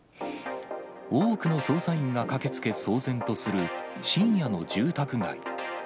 多くの捜査員が駆けつけ、騒然とする、深夜の住宅街。